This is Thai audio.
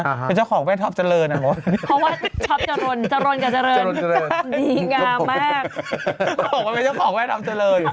บอกว่าเป็นเจ้าของแม่ทำเฉยเลย